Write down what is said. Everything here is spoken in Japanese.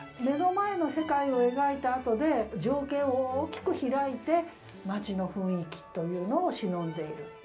目の前の世界を描いたあとで情景を大きく開いて街の雰囲気というのをしのんでいる。